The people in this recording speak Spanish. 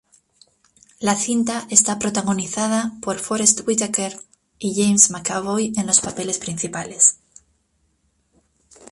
La cinta está protagonizada por Forest Whitaker y James McAvoy en los papeles principales.